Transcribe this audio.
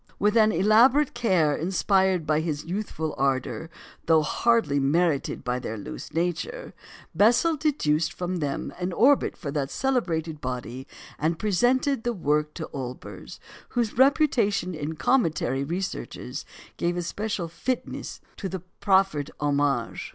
With an elaborate care inspired by his youthful ardour, though hardly merited by their loose nature, Bessel deduced from them an orbit for that celebrated body, and presented the work to Olbers, whose reputation in cometary researches gave a special fitness to the proffered homage.